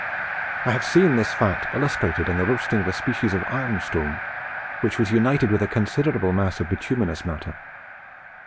I have seen this fact illustrated in the roasting of a species of iron stone, which was united with a considerable mass of bituminous matter.